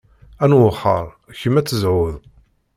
Ad n-wexreɣ, kemm ad tezhuḍ.